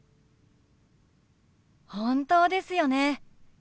本当ですよね。